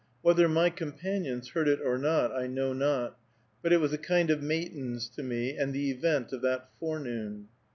Whether my companions heard it or not, I know not, but it was a kind of matins to me, and the event of that forenoon.